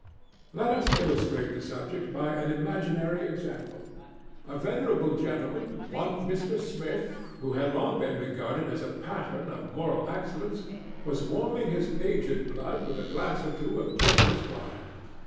Let us illustrate the subject by an imaginary example. A venerable gentleman—one Mr. Smith—who had long been regarded as a pattern of moral excellence was warming his aged blood with a glass or two of generous wine.